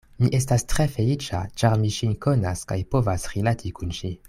Mi estas tre feliĉa, ĉar mi ŝin konas kaj povas rilati kun ŝi.